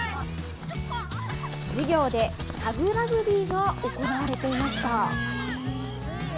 授業でタグラグビーが行われていました。